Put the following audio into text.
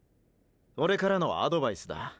オレからのアドバイスだ。